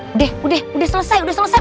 udah udah selesai udah selesai